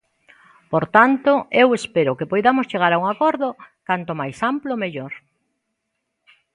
Por tanto, eu espero que poidamos chegar a un acordo canto máis amplo mellor.